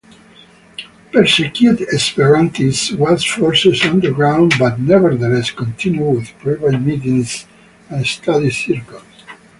Persecuted Esperantists was forced underground but nevertheless continued with private meetings and study circles.